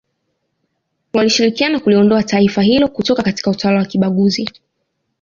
walishirikiana kuliondoa taifa hilo kutoka katika utawala wa kibaguzi